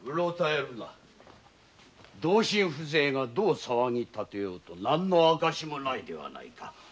同心風情がどう騒ぎたてようと何の証もないではないか。